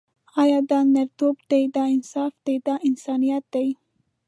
آیا دا نرتوب دی، دا انصاف دی، دا انسانیت دی.